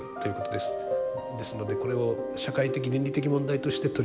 ですのでこれを社会的倫理的問題として取り組む。